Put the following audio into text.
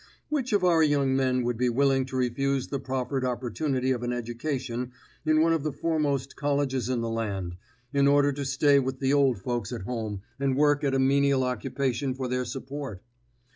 Which of our young men would be willing to refuse the proffered opportunity of an education in one of the foremost colleges in the land, in order to stay with the old folks at home and work at a menial occupation for their support?